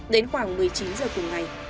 đến khoảng một mươi chín h cùng ngày